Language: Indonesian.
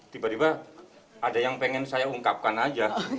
tiba tiba ada yang pengen saya ungkapkan aja